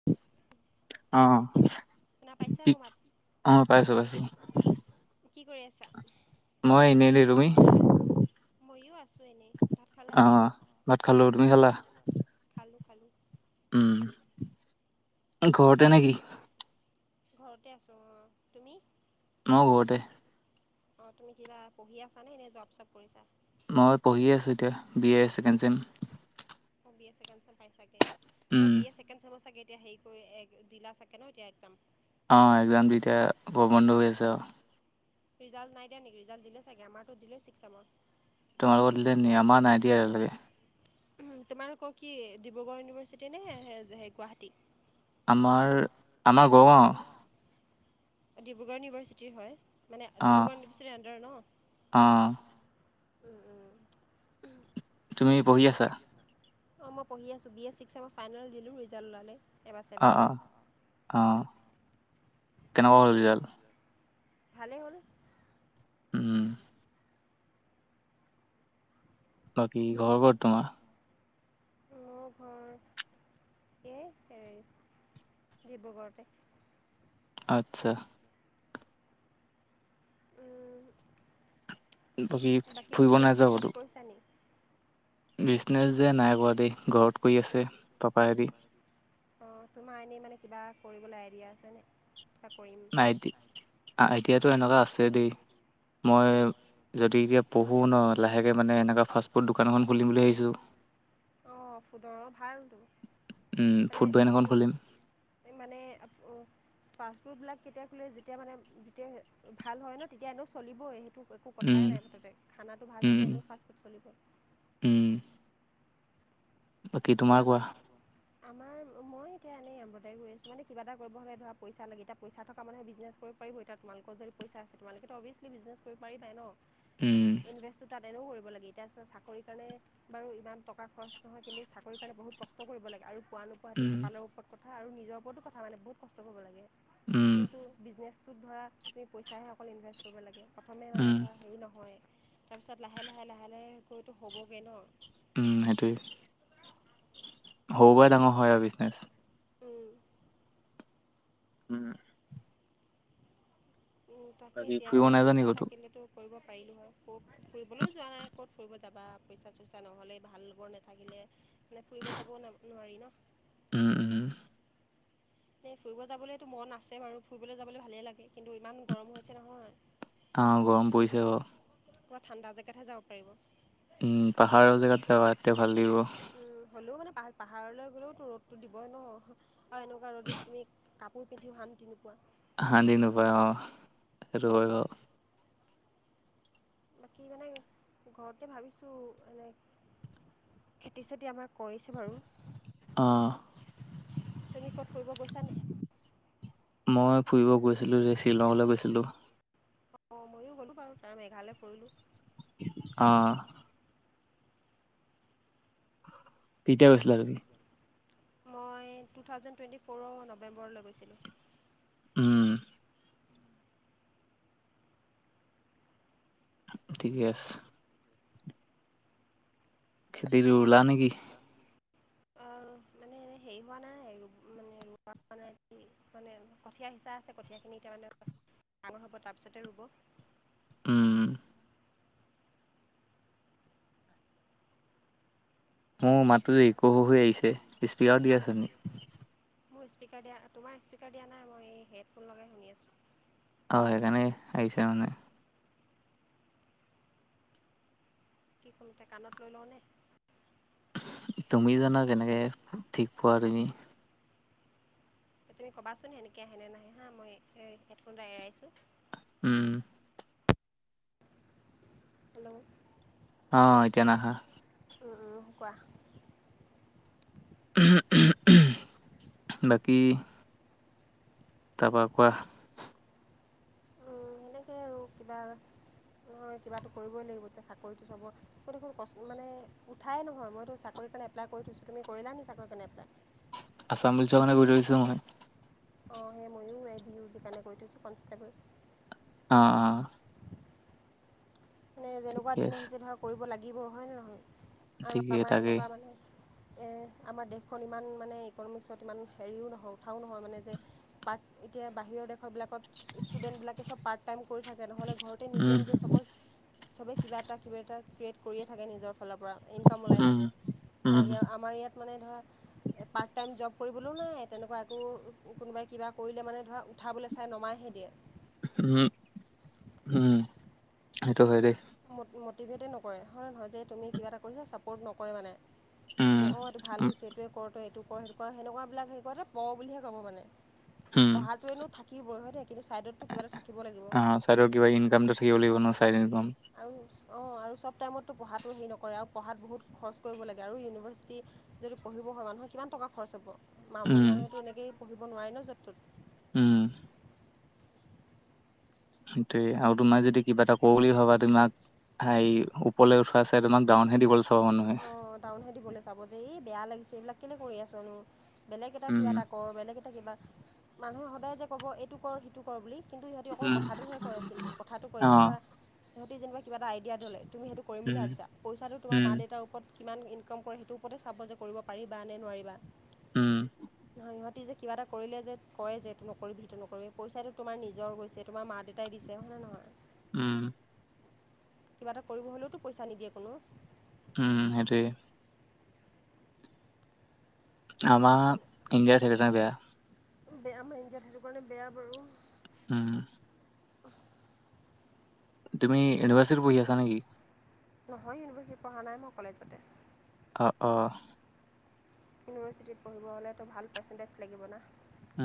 [unintelligible] অ অ শুনা পাইছা কিক মোৰ মাত পাইছো, পাইছো। কি কৰি আছা? মই এনেই দেই, তুমি? ময়ো আছোঁ এনেই ভাত খালা আহ ভাত খালো, তুমি খালা? খালো, খালো, উম ঘৰতে নেকি? ঘৰতে আছোঁ। অ তুমি? মইও ঘৰতে। অ তুমি কিবা পঢ়ি আছানে এনে জব চব কৰিছা? মই পঢ়িয়ে আছোঁ এতিয়া বি এ ছেকেণ্ড চেম। অ বি এ ছেকেণ্ড ছেম পাইছাগে, অ উম বি এ ছেকেণ্ড ছেম চাগে। এতিয়া হেৰি কৰি দিলা চাগে ন এতিয়া একজাম। অ এক্সামটো এতিয়া প্ৰবন্ধ হৈ আছে অ ৰিজাল্ট নাই দিয়া নেকি ৰিজাল্ট দিলে চাগে আমাৰতো দিলে ছিক চেমৰ। তোমালোকৰ দিলে নি আমাৰ নাই দিয়া এতিয়ালৈকে তোমালোকৰ কি ডিব্ৰুগড় ইউনিভাৰ্ছিটি নে গুৱাহাটী? আমাৰ আমাৰ গড়গাঁও ডিব্ৰুগড় ইউনিভাৰ্চিটিৰ হয়। মানে অ ডিব্ৰুগড় ইউনিভাৰ্চিটি আণ্ডাৰ ন? অ উম, উম। তুমি পঢ়ি আছা? অ মই পঢ়ি আছো B A six sem final দিলো ৰিজাল্ট ওলালে এবাৰ অ চেভেন অ ছে'ম। অ কেনেকুৱা হল ৰিজাল্ট? ভালে হল। উম বাকী ঘৰ কত তোমাৰ? [inaudible] মোৰ ঘৰ, এই হেৰি ডিব্ৰুগড়তে। আচ্ছা। উম। বাকী ফুৰিব নাযাওঁ কতো? পইছা নী বিজনেছ যে নাই কৰা দেই, ঘৰত কৰি আছে, পাপা হেতি। অ' তোমাৰ এনেই মানে কিবা কৰিবলৈ আইডিয়া আছেনে, কিবা কৰিম আইডিয়াটো এনেকুৱা আছে দেই, মই যদি এতিয়া পঢ়ো ন, লাহেকে মানে এনেকুৱা ফাষ্ট ফুড দোকান এখন খুলিম বুলি ভাবিছো। অ' ফুডৰ ভালটো, উম মানে ফুড ভেন এখন খুলিম মানে [unintelligible] পাছপোৰ্ট বিলাক কেতিয়া খুলে, যেতিয়া মানে, যেতিয়া ভাল হয় ন, তেতিয়া এনে চলিবই। এই একো উম কথাই নাই মুঠতে, খানাটো ভাল উম হলে, এনেও ফাষ্টফুড চলিব। উম। বাকী তাকে তোমাৰ কোৱা আমাৰ আমাৰ, মই এতিয়া এনে এম্ব্ৰইডাৰী কৰি আছো, মানে কিবা এটা কৰিব হ'লে ধৰা পইচা লাগে, এতিয়া পইচ থকা মানুহে বিজনেছ কৰি পাৰিব এতিয়া, তোমালোকৰ যদি পইাছে তোমালোকেত অভিয়চলি বিজনেছ কৰিব পাৰিবাই ন। উম ইনভেষ্টটো তাত এনেও কৰিব লাগে, ইতিয়া পিছত চাকৰিৰ কাৰণে বাৰু ইমান টকা খৰচ নহয় কিন্তু চাকৰি পালে বহুত কষ্ট কৰিব লাগে, আৰু পোৱা নোপোৱাতটো উম কপালৰ ওপৰত কথা আৰু নিজৰ ওপৰতো কথা মানে বহুত কষ্ট কৰিব লাগে, উম কিন্তু বিজনেছটোত ধৰা তুমি পইচাহে অকল ইনভেষ্ট কৰিব লাগে, প্ৰথমে মানে উম ধৰা হেৰি নহয় তাৰপিছত লাহে-লাহে লাহে-লাহে কৈতো হ'বগৈ ন। উম সেইটোৱে। সৰু পৰাই ডাঙৰ হয় আৰু বিজনেছ। ন উম। তাকে বাকী এতিয়া ফুৰিব মানে, নাযাওঁ নি পইচা ক'তো থাকিলেতো কৰিব পাৰিলো হয়, ক'ত ফুৰিবলৈও যোৱা নাই, ক'ত ফুৰিব যাবা, পইচা-চইচা নহলে, ভাল লগৰ নাথাকিলে মানে ফুৰিব যাবও ন নোৱাৰি ন। উম উম এই ফুৰিব যাবলৈতো মন আছে বাৰু ফুৰিবলৈ যাবলৈ ভালেই লাগে, কিন্তু ইমান গৰম হৈছে নহয়। অ গৰম পৰিছে বাৰু। পুৰা ঠাণ্ডা জেগাতহে যাব পাৰিব। উম পাহাৰৰ জেগাত জাবা, তেতিয়া ভাল দাগিব। উম হ'লেও মানে পাহ, পাহাৰলৈ গ'লেওতো ৰদতো দিবই ন, [unintelligible] এনেকুৱা কাৰণতে [unintelligible] তুমি কাপোৰ পিন্ধিও শান্তিও নোপোৱা। হান্তি নোপোৱা অ, হেতো হয় বাৰু। বাকী মানে, ঘৰতে ভাবিছোঁ এনে খেতি-চেতি আমাৰ কৰিছে বাৰু। অ'হ। তুমি ক'ত ফুৰিব গৈছা নে? মই ফুৰিব গৈছিলোঁ, এই শ্বিলঙলৈ গৈছিলোঁ। অ, ময়ো গলোঁ বাৰু, তাৰ মেঘালয় ফুৰিলোঁ। অ'। কেতিয়া গৈছিলা তুমি? মই টু থাউজেণ্ড টুৱেণ্টি ফ'ৰ নেম্বৰলৈ গৈছিলোঁ। উম। ঠিকে আছে। খেতিত ৰুলা নেকি? অ' মানে এ হেৰি হোৱা নাই, মানে ৰুৱা হোৱা নাই [unintelligible] মানে কঠীয়া সিঁচা আছে, কঠীয়াখিনি এতিয়া মানে [unintelligible] ডাঙৰ হ'ব তাৰপিছতে ৰুব। উম, অ, মাতটো যে ইক হৈ আহিছে স্পীকাৰত দিয়া কা- আছে নি? মোৰ স্পীকাৰ দিয়া তোমাৰ স্পীকাৰ দিয়া নাই মই হেডফোন লগাই শুনি আছোঁ। অ, সেইকাৰনে আহিছে মানে। কি কম এতিয়া কাণত লৈ লওঁনে? তুমি জানা কেনেকে ঠিক পোৱা তুমি? এ তুমি ক'বাচোন সেনেকে আহেনে নাহে হা মই হেডফোন ডাল এৰাইছোঁ? উম, হেল্ল', অ, এতিয়া নাহা। উম- উম কোৱা? বাকী তাপা কোৱা? উম, সেনেকে আৰু কিবা নহয় কিবাটো কৰিবই লাগিব এতিয়া চাকৰিটো যাব ত 'দেখোন কষ্ট মানে উঠাই নহয় মইতো চাকৰিৰ কাৰণে এপ্লাই কৰি থৈছো তুমি কৰিলা নি চাকৈ কাৰনে এপ্লাই? আছাম পুলিচৰ কাৰণে কৰি থৈছো মই। অ, সেই ময়ো এবি ইউ দি কাৰণে কৰি থৈছোঁ কনষ্টেবল। অ', অ', মানে যেনেকুৱা ঠিকে দিন আছে, আহিছে ধৰ কৰিব লাগিব হয়নে নহয় আৰু ঠিকে আমাৰ তাকেই। এনেকুৱা মানে এ আমাৰ দেশখন ইমান মানে ইকনমিক্সত ইমান হেৰিও নহয় উঠাও নহয় মানে যে পাৰ্ট এতিয়া বাহিৰৰ দেশ বিষয়বিলাকত ষ্টুডেণ্টবিলাকে চব পাৰ্ট টাইম কৰি থাকে নহ'লে ঘৰতে নিজে উম, -নিজে চবৰ চবে কিবা এটা - কিবা এটা ক্ৰিয়েট কৰিয়ে থাকে নিজৰ ফালৰ পৰা ইনকাম ওলাই উম, থাকে উম, তাৰ আমাৰ ইয়াত মানে ধৰা এ পাৰ্ট টাইম জব কৰিবলৈও নাই তেনেকুৱা একো কোনোবাই কিবা কৰিলে মানে ধৰা উঠাবলৈ চাই নমাইহে দিয়ে। উম- উম সেইটো হয় দে। মুত মটিভেটেই নকৰে হয় নহয় যে তুমি কিবা এটা কৰিছা ছাপৰ্ট নকৰে মানে। উম, যে অ, এইটো ভাল উম, হৈছে এইটোৱে কৰ তই এইটো কৰ সেইটো কৰ সেনেকুৱাবিলাক সেই কৰোতে পঢ়‌ বুলিহে ক'ব মানে। উম, পঢ়াতোৱেনো থাকিবই হয় তে কিন্তু ছাইডততো কিবা এটা থাকিব লাগিব। আৰু কিবা ইনকাম টো থাকিব লাগিব ন' চাইদ ইনকম। আৰু অ, আৰু চব টাইমততো পঢ়াতো হেৰি নকৰে আৰু পঢ়াত বহুত খৰচ কৰিব লাগে আৰু ইউনিভাৰ্চিটি যদি পঢ়িব হয় মানুহৰ কিমান টকা খৰচ হ'ব মামূলী উম, মানুহেতো এনেকেই পঢ়িব নোৱাৰে ন' য'ত -ত'ত। উম, তে আৰু তোমাৰ যদি কিবা এটা কৰো বুলি ভাবা তোমাক সেই ওপৰলৈ উঠোৱা এই তোমাক ডাউন হে দিব অ, দাউনহে দিবলৈ চাব যে এই বেয়া লাগিছে এইবিলাক কেলে কৰি আছনো? বেলেগ এটা কিবা উম, এটা কৰ, বেলেগ এটা কিবা মানুহে সদায় যে ক'ব এইটো কৰ সেইটো কৰ বুলি কিন্তু সিহঁতি অকল উম, কথাটোহে কয় কিন্তু কথাটো কয় এতিয়া অ', ধৰা সিহঁতি যেনিবা কিবা এটা আইডিয়া ধলে তুমি সেইটো কৰিম বুলি উম, ভাবিছাঁ পইচাটো তোমাৰ মা-দে উম, উতাৰ ওপৰত কিমান ইনকাম কৰে সেইটো ওপৰতে চাব যে কৰিব পাৰিবা নে নোৱাৰিবা? উম, [unintelligible] ইজে কিবা এটা কৰিলে যে কয় যে এইটো নকৰিবি সেইটো নকৰিবি পইচাটো তোমাৰ নিজৰ গৈছে, তোমাৰ মা দেউতাই দিছে হয় নে নহয়? উম। কিবা এটা কৰিব হ'লেওতো পইচা নিদিয়ে কোনো। উম, সেইটোৱে। আমাৰ ইণ্ডিয়াত হেই [unintelligible] বেয়া। উম, বেয়া আমাৰ ইণ্ডিয়াত সেইটো কাৰণে বেয়া বাৰু। উম। তুমি ইউনিভাৰ্চিট পঢ়ি আছা নেকি? নহয় ইউনিভাৰ্চিটি পঢ়া নাই মই কলেজতে। অঁ অঁ। ইউনিভাৰ্চিটিত পঢ়িব হ'লেতো ভাল পাৰ্চেণ্টেজ লাগিবনা? আ।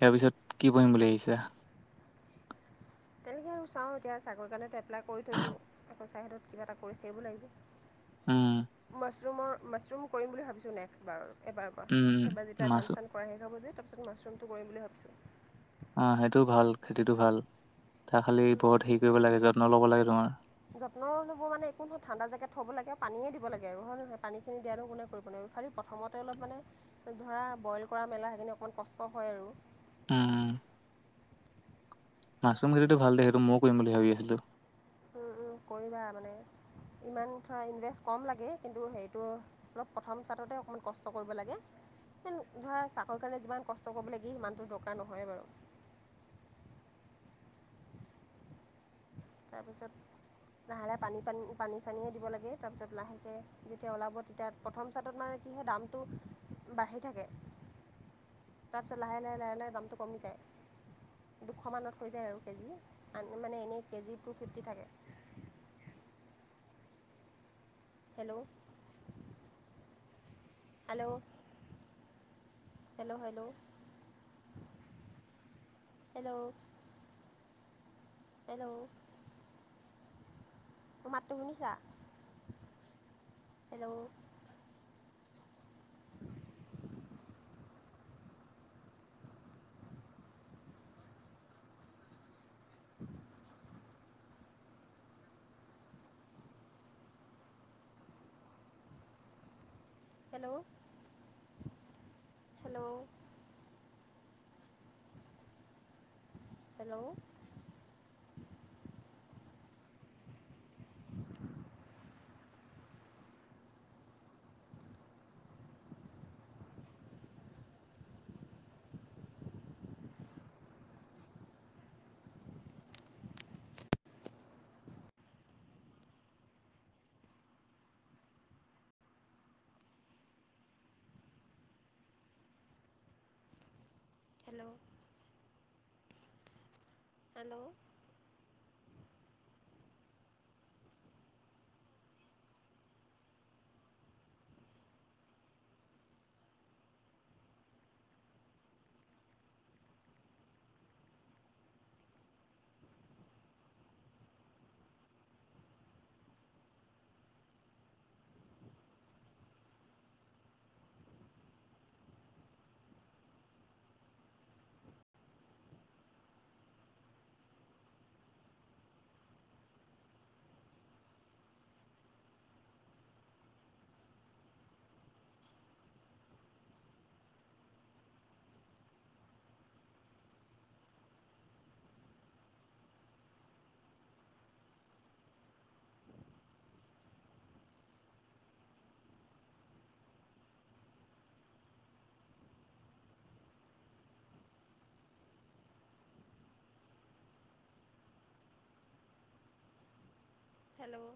ইয়াৰ পিছত কি পঢ়িম বুলি আহিছা? তেনেকৈ আৰু চাওঁ এতিয়া ছাগৰ কাৰণেতো এপ্লাই কৰি থৈছোঁ, এক ছাইডত কিবা এটা কৰি সেইবোৰ লাগিছে। উম। মাছৰুমৰ মাছৰুম কৰিম বুলি ভাবিছো নেক্সট বাৰৰ, এবাৰবাৰ উম, যেতিয়া মাছ ধান - চান কৰাহি খাব যে তাৰপিছত মাছৰুমটো কৰিম বুলি ভাবিছোঁ। অ সেইটো ভাল খেতিটো ভাল, তা খালি বহুত হেৰি কৰিব লাগে যত্ন ল'ব লাগে তোমাৰ। যত্ন ল'ব মানে একো নহয় ঠাণ্ডা জেগাত থব' লাগে, পানী দিব লাগে আৰু হয় নহয়? পানীখিনি দিয়ানো কোনে কৰিব ন। খালি প্ৰথমতে অলপ মানে ধৰা বইল কৰা মেলা সেইখিনি অকণমান কষ্ট হয় আৰু। আ। মাছৰুম খেতিটো ভাল দে সেইটো মইও কৰিম বুলি ভাবি আছিলো। উম উম, কৰিবা মানে ইমান ধৰা ইনভেষ্ট কম লাগেই কিন্তু সেইটোও অলপ প্ৰথম চাৰাটতে অকণমান কষ্ট কৰিব লাগে। হেন, ধৰা চাকৰিৰ কাৰণে যিমান কষ্ট কৰিব লাগি সিমানটো দৰকাৰ নহয় বাৰু। তাৰপিছত লাহে - লাহ পানী পানী পানী চানীয়ে দিব লাগে তাৰপিছত লাহেকে যেতিয়া ওলাব তেতিয়া প্ৰথম চাৰটত মানে কি হয় দামটো বাঢ়ি থাকে। তাৰপিছত লাহে লাহে লাহে লাহে দামটো কমি যায়। দুশ মানত হৈ যায় আৰু কেজি আন মানে এনেই কেজি টু ফিফটি থাকে। Hello! Hello! Hello hello hello? Hello? মুৰ মাতটো শুনিছা, hello? [inaudible] Hello! Hello! Hello! Hello! Hello! Hello!